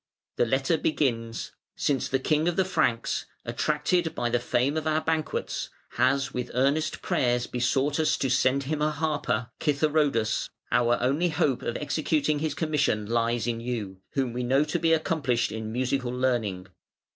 The letter begins: "Since the king of the Franks, attracted by the fame of our banquets, has with earnest prayers besought us to send him a harper (citharœdus), our only hope of executing his commission lies in you, whom we know to be accomplished in musical learning.